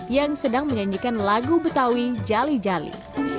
yang sedang menyanyikan lagu betawi jali jali